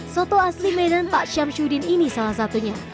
soto asli medan pak syamsuddin ini salah satunya